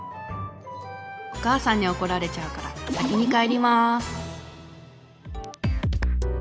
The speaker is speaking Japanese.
お母さんに怒られちゃうから先に帰ります。